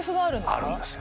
あるんですよ。